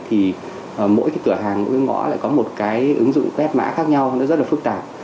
thì mỗi cái cửa hàng mỗi cái ngõ lại có một cái ứng dụng quét mã khác nhau nó rất là phức tạp